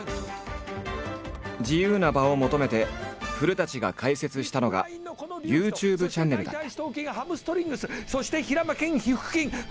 自由な場を求めて古が開設したのがＹｏｕＴｕｂｅチャンネルだった。